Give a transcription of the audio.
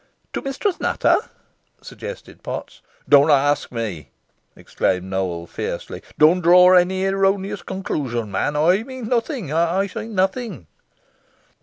"To Mistress Nutter?" suggested Potts. "Don't ask me," exclaimed Nowell, fiercely. "Don't draw any erroneous conclusions, man. I mean nothing I say nothing!"